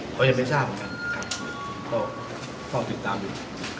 เขาไม่ทราบนะครับพ่อติดตามดู